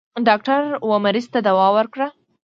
ډاکټر و مريض ته دوا ورکړه.